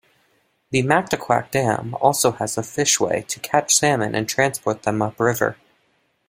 The Mactaquac Dam also has a fishway to catch salmon and transport them upriver.